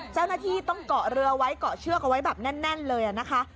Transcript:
เจ้าหน้าที่ต้องเกาะเรือไว้เกาะเชือกเอาไว้แบบแน่นเลยนะคะ